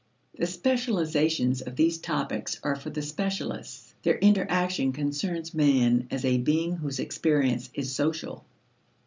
The specializations of these topics are for the specialists; their interaction concerns man as a being whose experience is social.